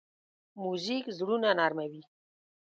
موزیک زړونه نرمه وي.